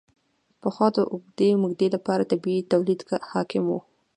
پخوا د اوږدې مودې لپاره طبیعي تولید حاکم و.